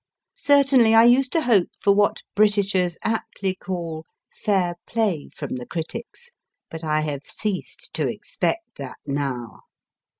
Certainly I used to hope for what Britishers aptly call l fair play from the critics, but I have ceased to expect that now.